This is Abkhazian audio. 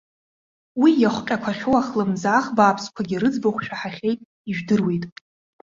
Уи иахҟьақәахьоу ахлымӡаах бааԥсқәагьы рыӡбахә шәаҳахьеит, ижәдыруеит.